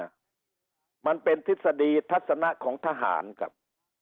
มันเป็นทฤษฎีทัศนะของทหารครับ